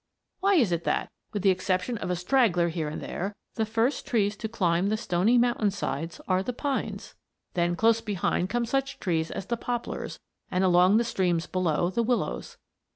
Why is it that, with the exception of a straggler here and there, the first trees to climb the stony mountainsides are the pines? Then close behind come such trees as the poplars, and along the streams below, the willows.